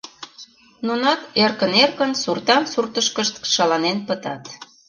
Нунат эркын-эркын суртан-суртышкышт шаланен пытат.